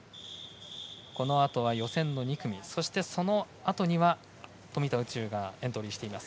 このあとは予選の２組そしてそのあとには富田宇宙がエントリーしています。